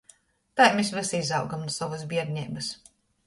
Tai mes vysi izaugam nu sovys bierneibys.